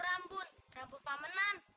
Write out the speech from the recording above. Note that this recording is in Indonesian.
amin ya tuhan